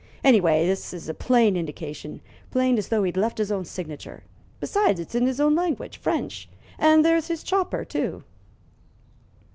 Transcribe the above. "Anyway, this is a plain indication plain as though he'd left his own signature. Besides, it's in his own language French. And there's his chopper, too."